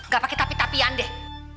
gak pakai tapi tapian deh